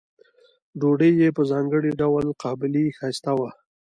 ډوډۍ یې په ځانګړي ډول قابلي ښایسته وه.